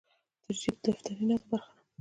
دریشي د دفتري نظم برخه ده.